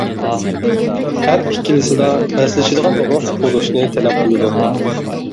ھەر ئىككىلىسىلا بەسلىشىدىغان روھ بولۇشنى تەلەپ قىلىدۇ.